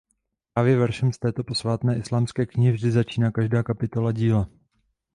Právě veršem z této posvátné islámské knihy vždy začíná každá kapitola díla.